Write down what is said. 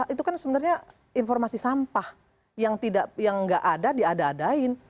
itu kan sebenarnya informasi sampah yang nggak ada diada adain